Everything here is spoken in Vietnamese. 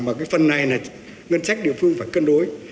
mà cái phần này là ngân sách địa phương phải cân đối